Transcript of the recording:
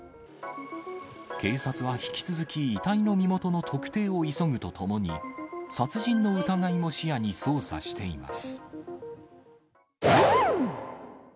警察は引き続き遺体の身元の特定を急ぐとともに、殺人の疑いも視野に捜査しています。